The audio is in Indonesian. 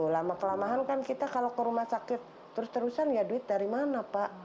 lama kelamaan kan kita kalau ke rumah sakit terus terusan ya duit dari mana pak